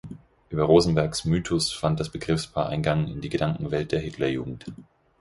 Über Rosenbergs "Mythus" fand das Begriffspaar Eingang in die Gedankenwelt der Hitlerjugend.